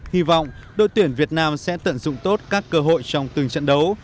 hy vọng đội tuyển việt nam sẽ tận dụng tốt các cơ hội trong từng trận đấu